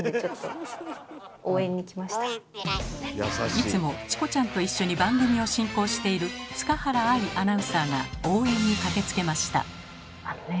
いつもチコちゃんと一緒に番組を進行している塚原愛アナウンサーが応援に駆けつけました。